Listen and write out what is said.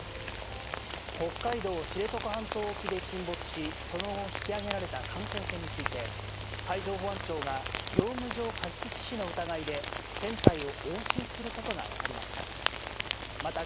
北海道知床半島沖で沈没し、その後、引き揚げられた観光船について、海上保安庁が業務上過失致死の疑いで船体を押収することが分かりました。